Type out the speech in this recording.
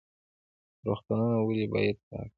روغتونونه ولې باید پاک وي؟